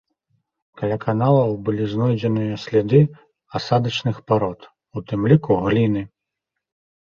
Каля каналаў былі знойдзеныя сляды асадачных парод, у тым ліку гліны.